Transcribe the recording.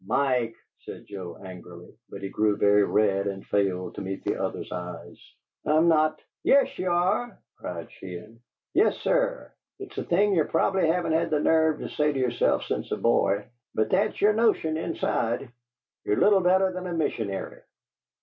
"Mike!" said Joe, angrily, but he grew very red and failed to meet the other's eye, "I'm not " "Yes, ye are!" cried Sheehan. "Yes, sir! It's a thing ye prob'ly haven't had the nerve to say to yerself since a boy, but that's yer notion inside: ye're little better than a missionary!